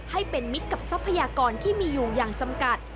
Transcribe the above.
ให้เป็นมิตรกับทรัพยากรที่มีอยู่อย่างจำกัด